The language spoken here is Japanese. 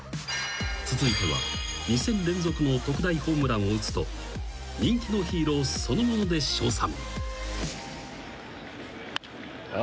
［続いては２戦連続の特大ホームランを打つと人気のヒーローそのもので称賛］